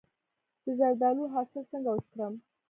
د زردالو حاصل څنګه وچ کړم؟